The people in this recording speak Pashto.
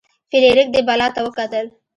فلیریک دې بلا ته وکتل.